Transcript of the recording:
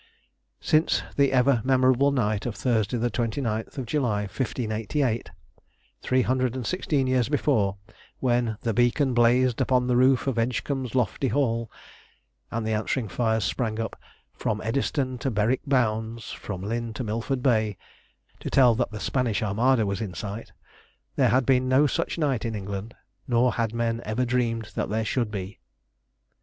Since the ever memorable night of Thursday the 29th of July 1588, three hundred and sixteen years before, when "The beacon blazed upon the roof of Edgcumbe's lofty Hall," and the answering fires sprang up "From Eddystone to Berwick bounds, from Lynn to Milford Bay," to tell that the Spanish Armada was in sight, there had been no such night in England, nor had men ever dreamed that there should be.